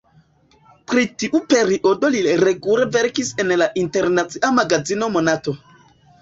Pri tiu periodo li regule verkis en la internacia magazino Monato.